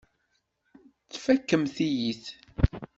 Tfakemt-iyi-t.